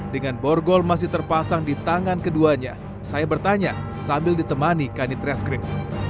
dengan borgol masih terpasang di tangan keduanya saya bertanya sambil ditemani kanit reskrim